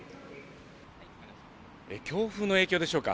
強風の影響でしょうか。